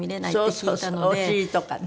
そうそうそうお尻とかね。